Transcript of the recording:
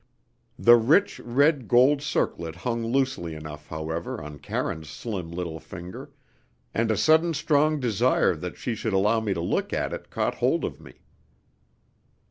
The rich, red gold circlet hung loosely enough, however, on Karine's slim little finger, and a sudden strong desire that she should allow me to look at it caught hold of me.